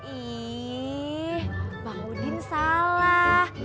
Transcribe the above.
ih bang udin salah